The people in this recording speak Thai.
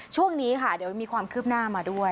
ช่วงนี้ค่ะเดี๋ยวมีความคืบหน้ามาด้วย